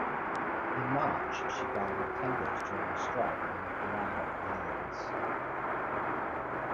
In March she guarded tankers during a strike on the Palau Islands.